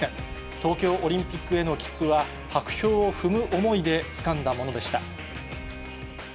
東京オリンピックへの切符は、薄氷を踏む思いでつかんだものでした。